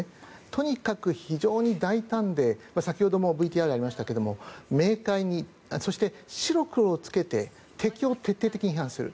とにかく非常に大胆で先ほどもＶＴＲにありましたが明快に、そして白黒つけて敵を徹底的に批判する。